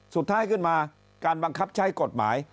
สุดท้ายขึ้นมาการบังคับใช้กฎหมาย